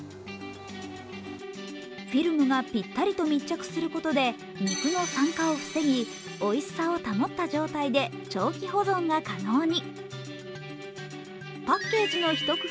フィルムがぴったりと密着することで肉の酸化を防ぎ、おいしさを保った状態で長期保存が可能に。